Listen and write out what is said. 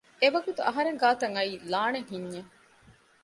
އެވަގުތު އަހަރެން ގާތަށް އައީ ލާނެތް ހިންޏެއް